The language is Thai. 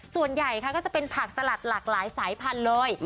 ส่วนใหญ่ค่ะก็จะเป็นผักสลัดหลากหลายสายพันธุ์เลย